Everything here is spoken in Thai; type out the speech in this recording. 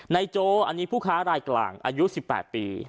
โจอันนี้ผู้ค้ารายกลางอายุ๑๘ปี